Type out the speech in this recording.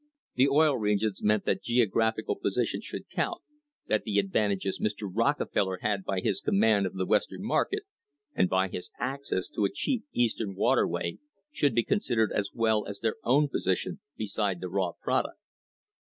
The Oil Regions meant that geographical position should count, that the advantages Mr. Rockefeller had by his command of the Western market and by his access to a cheap Eastward waterway should be considered as well as their own position beside the raw product.